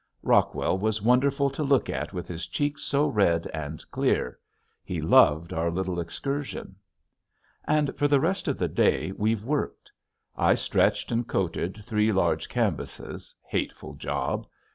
Rockwell was wonderful to look at with his cheeks so red and clear. He loved our little excursion. And for the rest of the day we've worked. I stretched and coated three large canvases, hateful job!